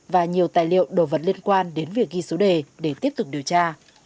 và nhiều tài liệu đồ vật liên quan đến việc ghi số đề để tiếp tục điều tra